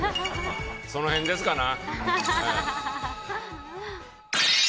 その辺ですかな。